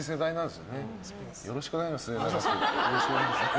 よろしくお願いします、末永く。